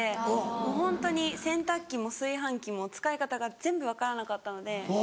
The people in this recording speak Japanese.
もうホントに洗濯機も炊飯器も使い方が全部分からなかったので。